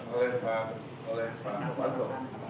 oleh pak panto